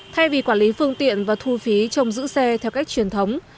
thay vì quản lý phương tiện và thu phí trong giữ xe theo cách truyền thống